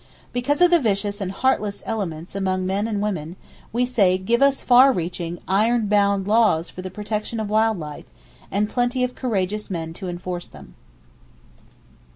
Because of the vicious and heartless elements among men and women, we say, Give us far reaching, iron bound LAWS for the protection of wild life, and plenty of courageous men to enforce them.